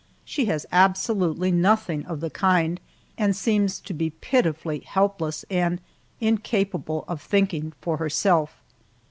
She has absolutely nothing of the kind, and seems to be pitifully helpless and incapable of thinking for herself.